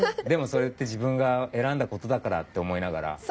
でもそれって自分が選んだ事だからって思いながら。